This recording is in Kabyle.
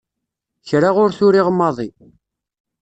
Kra ur t-uriɣ maḍi.